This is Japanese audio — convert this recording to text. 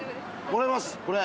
もらいますこれ。